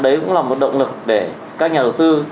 đấy cũng là một động lực để các nhà đầu tư